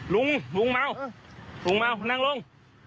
ลุงลุงเมาลุงเมานั่งลง